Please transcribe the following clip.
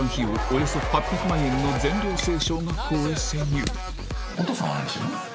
およそ８００万円の全寮制小学校へ潜入